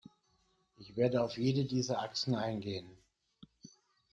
Ich werde auf jede dieser Achsen eingehen.